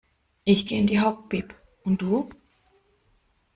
Ich geh in die Hauptbib, und du?